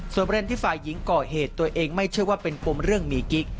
ประเด็นที่ฝ่ายหญิงก่อเหตุตัวเองไม่เชื่อว่าเป็นปมเรื่องมีกิ๊ก